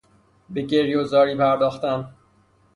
به گریه و زاری پرداختن